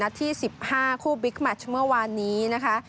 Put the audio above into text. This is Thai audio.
นัดที่สิบห้าคู่บิ๊กแมตช์เมื่อวานนี้นะคะ